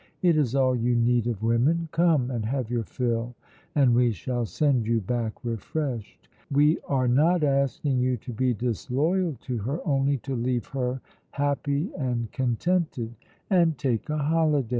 It is all you need of women; come and have your fill, and we shall send you back refreshed. We are not asking you to be disloyal to her, only to leave her happy and contented and take a holiday."